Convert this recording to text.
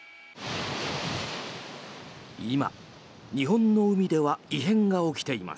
今、日本の海では異変が起きています。